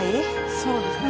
そうですね。